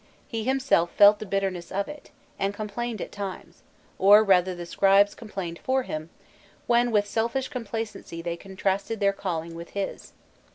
He himself felt the bitterness of it, and complained at times, or rather the scribes complained for him, when with selfish complacency they contrasted their calling with his.